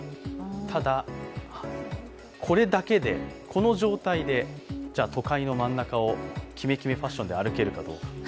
ただ、これだけで、この状態で都会の真ん中をキメキメファッションで歩けるかどうか。